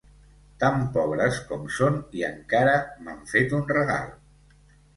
Tan pobres com són i encara m'han fet un regal!